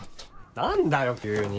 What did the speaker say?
何だよ急に。